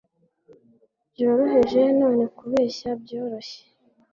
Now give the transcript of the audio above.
Byoroheje, none kubeshya byoroshye